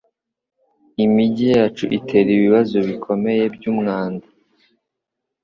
Imijyi yacu itera ibibazo bikomeye byumwanda